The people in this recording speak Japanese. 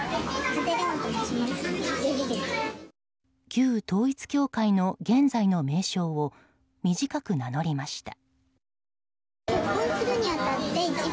旧統一教会の現在の名称を短く名乗りました。